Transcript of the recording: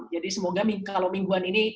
jadi semoga kalau mingguan ini